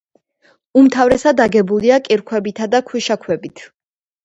უმთავრესად აგებულია კირქვებითა და ქვიშაქვებით.